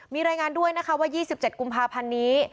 มีรายงานด้วยนะคะว่า๒๗กุมภาพันธ์นี้